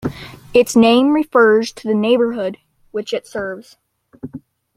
Its name refers to the neighborhood which it serves.